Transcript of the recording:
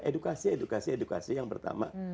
edukasi edukasi edukasi yang pertama